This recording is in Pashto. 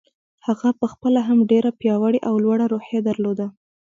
هغه په خپله هم ډېره پياوړې او لوړه روحيه درلوده.